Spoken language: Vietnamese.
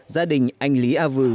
gia đình anh lý a vư